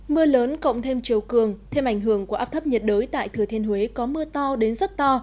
mưa lớn cộng thêm chiều cường thêm ảnh hưởng của áp thấp nhiệt đới tại thừa thiên huế có mưa to đến rất to